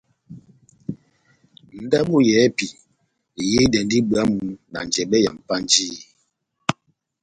Ndabo yɛ́hɛ́pi eyehidɛndi bwámu na njɛbɛ ya Mpanjiyi.